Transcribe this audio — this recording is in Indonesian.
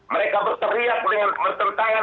mereka berteriak dengan bertentangan